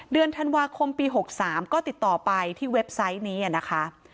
เดือนธันวาคมปี๖๓ก็ติดต่อไปที่เว็บไซต์นี้นะคะ